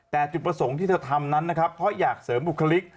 แต่จุดประสงค์ที่เธอทำนั้นนะครับเพราะอยากเสริมบุคลิก